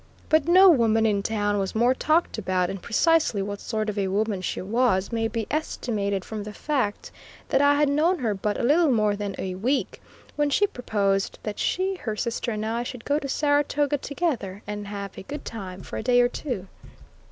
But no woman in town was more talked about, and precisely what sort of a woman she was may be estimated from the fact that I had known her but little more than a week, when she proposed that she, her sister and I should go to Saratoga together, and have a good time for a day or two.